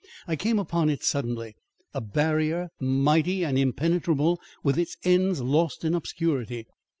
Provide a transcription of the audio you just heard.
I came upon it suddenly; a barrier mighty and impenetrable with its ends lost in obscurity.